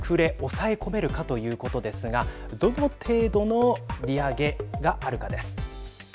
抑え込めるかということですがどの程度の利上げがあるかです。